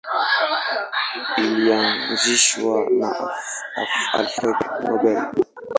Ilianzishwa na Alfred Nobel.